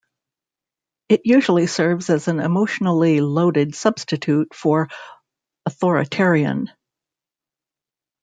It usually serves as an emotionally loaded substitute for authoritarian.